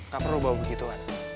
gak perlu bawa begituan